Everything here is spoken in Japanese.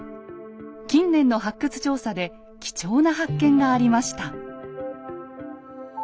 近年の発掘調査で貴重な発見がありました。